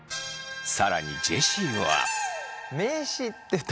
更にジェシーは。